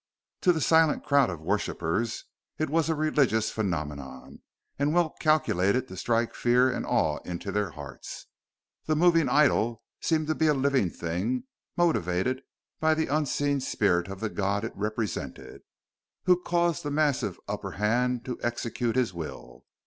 To the silent crowd of worshippers it was a religious phenomenon, and well calculated to strike fear and awe into their hearts. The moving idol seemed to be a living thing, motivated by the unseen spirit of the god it represented, who caused the massive upper hand to execute his will.